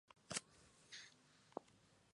Su padre trabajaba para la English Electric.